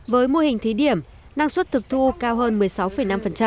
với mô hình thí điểm năng suất thực thu cao hơn một mươi sáu năm